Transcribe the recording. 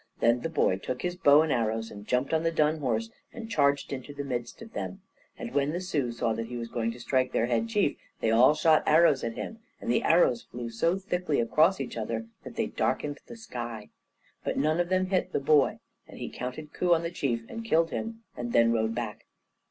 Then the boy took his bow and arrows, and jumped on the dun horse, and charged into the midst of them. And when the Sioux saw that he was going to strike their Head Chief, they all shot their arrows at him, and the arrows flew so thickly across each other that they darkened the sky, but none of them hit the boy. And he counted coup on the Chief, and killed him, and then rode back.